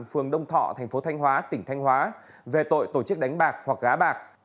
phường đông thọ thành phố thanh hóa tỉnh thanh hóa về tội tổ chức đánh bạc hoặc gá bạc